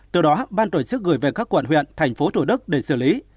từ đó ban tổ chức gửi về các quận huyện thành phố thủ đức để xử lý